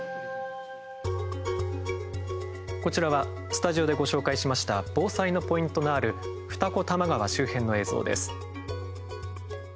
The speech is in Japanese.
こちらはスタジオでご紹介しました防災のポイントのある二子玉川周辺の映像です。